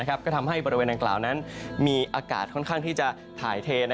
ก็ทำให้บริเวณดังกล่าวนั้นมีอากาศค่อนข้างที่จะถ่ายเท